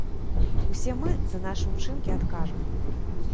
Усе мы за нашы ўчынкі адкажам.